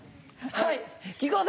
はい。